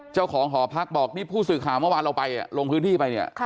เจ้าของหอพักบอกนี่ผู้สื่อข่าวเมื่อวานเราไปลงพื้นที่ไปเนี่ย